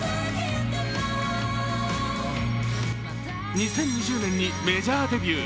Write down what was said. ２０２０年にメジャーデビュー。